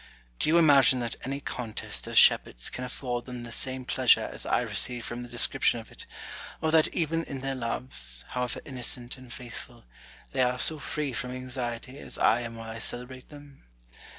Do you imagine that any contest of shepherds can afford them the same pleasure as I receiv^e from the description of it ; or that even in their loves, how ever innocent and faithful, they are so free from anxiety as I am while I celebrate them